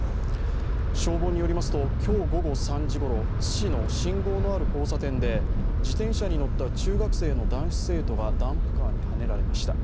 消防によりますと、今日午後３時ごろ、津市の信号のある交差点で自転車に乗った中学生の男子生徒がダンプカーにはねられました。